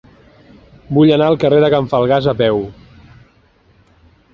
Vull anar al carrer de Can Falgàs a peu.